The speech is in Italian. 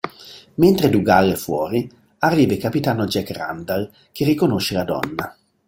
Mentre Dougal è fuori, arriva il capitano Jack Randall che riconosce la donna.